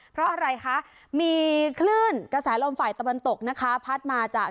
เพราะอะไรคะมีคลื่นกระแสลมฝ่ายตะวันตกนะคะพัดมาจาก